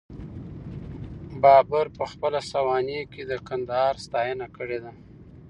بابر په خپله سوانح کي د کندهار ستاینه کړې ده.